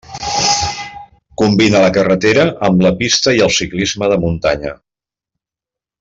Combina la carretera amb la pista i el ciclisme de muntanya.